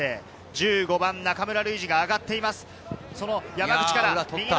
１５番・中村ルイジが上がっています。